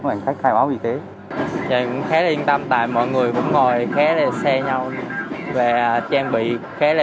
một trăm bốn mươi bảy xe chịu khai báo y tế và sstan một mươi ba trường cả v split hai